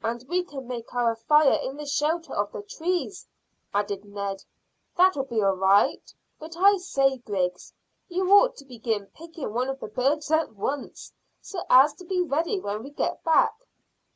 "And we can make our fire in the shelter of the trees," added Ned. "That'll be all right. But I say, Griggs, you ought to begin picking one of the birds at once, so as to be ready when we get back."